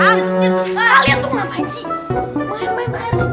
kalian tuh ngapain sih